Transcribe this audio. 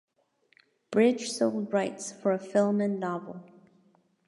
Bridge sold rights for a film and novel.